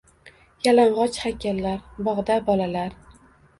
Yalang’och haykallar… bog’da bolalar…